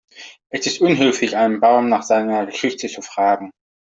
Es ist unhöflich, einen Baum nach seiner Geschichte zu fragen.